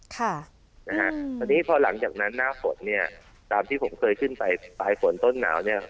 ตอนนี้พอหลังจากนั้นหน้าฝนเนี่ยตามที่ผมเคยขึ้นไปปลายฝนต้นหนาวเนี่ย